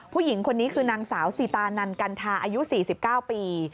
ผู้หญิงคนนี้คือนางสาวสิตานันกันทาอายุ๔๙ปี